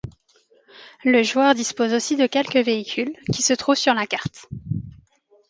Le joueur dispose aussi de quelques véhicules qui se trouvent sur la carte.